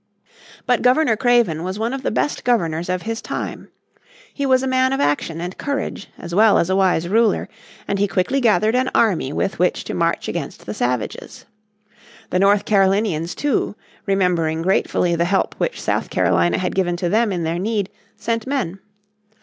But Governor Craven was one of the best governors of his time. He was a man of action and courage as well as a wise ruler, and he quickly gathered an army with which to march against the savages. The North Carolinians too, remembering gratefully the help which South Carolina had given to them in their need, sent men.